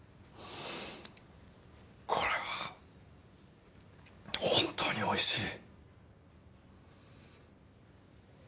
これは本当に美味しい。